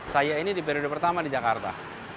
saya ini di periode pertama di jakarta